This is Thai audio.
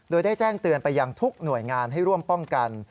โดยได้แจ้งเตือนไปยังทุกหน่วยงานให้ร่วมป้องกัน